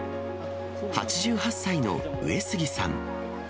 ８８歳の上杉さん。